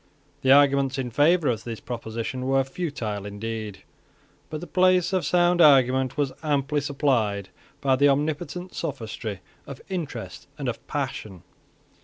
The arguments in favour of this proposition were futile indeed: but the place of sound argument was amply supplied by the omnipotent sophistry of interest and of passion.